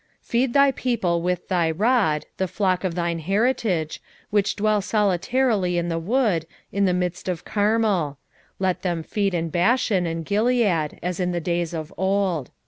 7:14 Feed thy people with thy rod, the flock of thine heritage, which dwell solitarily in the wood, in the midst of Carmel: let them feed in Bashan and Gilead, as in the days of old.